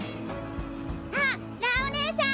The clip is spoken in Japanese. あ！蘭おねえさん！